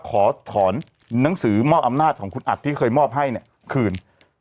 ขอถอนหนังสือมอบอำนาจของคุณอัดที่เคยมอบให้เนี่ยคืน